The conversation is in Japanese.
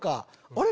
あれ⁉